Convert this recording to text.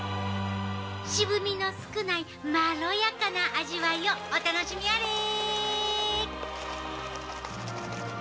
渋みの少ないまろやかな味わいをお楽しみあれー！